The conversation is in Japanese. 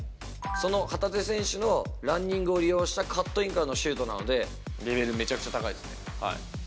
その旗手選手のランニングを利用したカットインからのシュートなので、レベル、めちゃくちゃ高いですね。